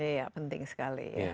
iya penting sekali ya